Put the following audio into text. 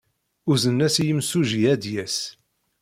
Uznen-as i yimsujji ad d-yas.